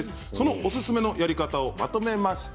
おすすめのやり方をまとめました。